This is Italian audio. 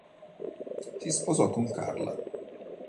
Si sposò con Carla.